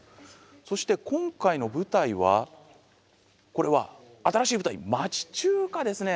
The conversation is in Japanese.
そして今回の舞台はこれは新しい舞台町中華ですね。